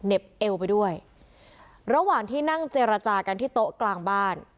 เอวไปด้วยระหว่างที่นั่งเจรจากันที่โต๊ะกลางบ้าน